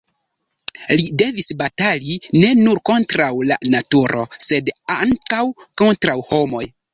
Li devis batali ne nur kontraŭ la naturo, sed ankaŭ kontraŭ homoj.